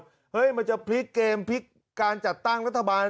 เฮ้ยมันจะพลิกเกมพลิกการจัดตั้งรัฐบาล